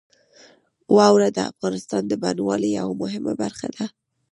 واوره د افغانستان د بڼوالۍ یوه مهمه برخه ده.